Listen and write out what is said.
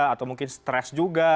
atau mungkin stres juga